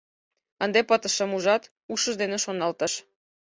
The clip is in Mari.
«Ынде пытышым, ужат», — ушыж дене шоналтыш.